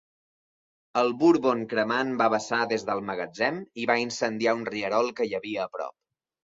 El bourbon cremant va vessar des del magatzem i va incendiar un rierol que hi havia a prop.